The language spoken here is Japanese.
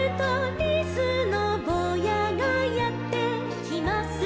「やぎのぼうやがやってきます」